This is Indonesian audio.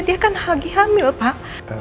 dia kan lagi hamil pak